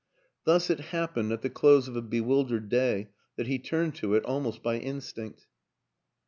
Thus it happened, at the close of a bewildered day, that he turned to it almost by instinct.